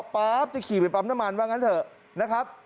ป๊าบจะขี่ไปปั๊มน้ำมันว่างั้นเถอะนะครับ